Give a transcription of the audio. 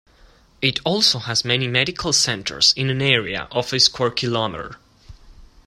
It also has many medical centers in an area of a square kilometer.